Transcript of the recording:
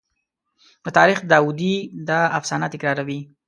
د تاریخ داودي دا افسانه تکراروي.